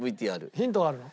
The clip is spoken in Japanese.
ヒントがあるの？